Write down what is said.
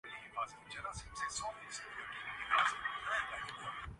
بہرحال واپس لوٹیں گے۔